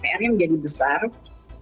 jadi itu memang menjadi sukses yang besar